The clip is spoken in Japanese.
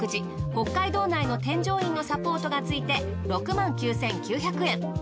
北海道内の添乗員のサポートが付いて６９，９００円。